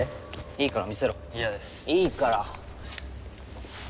いいから。